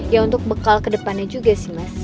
ya untuk bekal kedepannya juga sih mas